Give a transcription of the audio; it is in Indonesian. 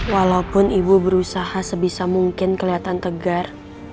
walaupun ibu berusaha sebisa mungkin kelihatan tegar